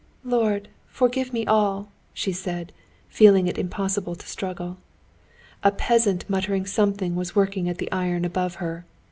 "Lord, forgive me all!" she said, feeling it impossible to struggle. A peasant muttering something was working at the iron above her.